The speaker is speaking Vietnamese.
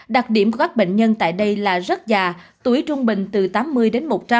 đặc điểm của các bệnh nhân tại đây là rất già tuổi trung bình từ tám mươi đến một trăm linh